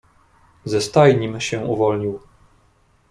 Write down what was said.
"Ze stajnim się uwolnił."